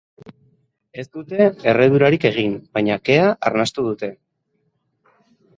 Ez dute erredurarik egin, baina kea arnastu dute.